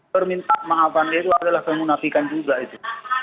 permintaan maafan dia itu adalah kemunafikan juga itu